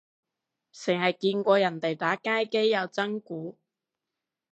剩係見過人哋打街機有真鼓